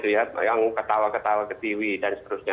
yang ketawa ketawa ke tiwi dan seterusnya